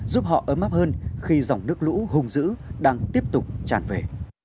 giúp họ ấm áp hơn khi dòng nước lũ hùng dữ đang tiếp tục tràn về